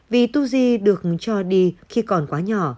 vì tu di được cho đi khi còn quá nhỏ